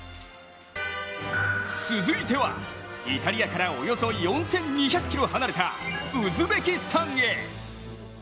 続いては、イタリアからおよそ４２００ｋｍ離れたウズベキスタンへ。